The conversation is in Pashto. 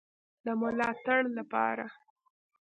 د ملاتړ لپاره